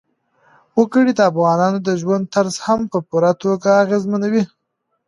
وګړي د افغانانو د ژوند طرز هم په پوره توګه اغېزمنوي.